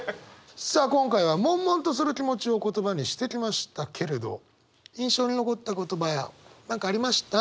さあ今回は悶悶とする気持ちを言葉にしてきましたけれど印象に残った言葉や何かありました？